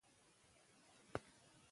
که جایزه وي نو لیوالتیا نه سړه کیږي.